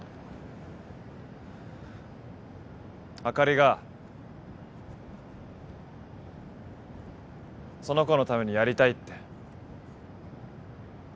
あかりがその子のためにやりたいって。